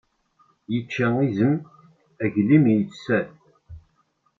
Yečča izem, aglim yessa-t.